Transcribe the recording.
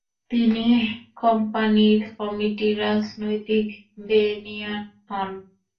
তিনি কোম্পানির কমিটির রাজনৈতিক বেনিয়ান হন।